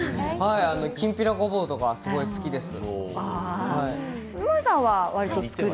きんぴらごぼうとかすごく好きです。